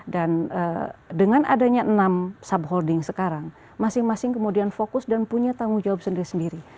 dan dengan adanya enam subholding sekarang masing masing kemudian fokus dan punya tanggung jawab sendiri sendiri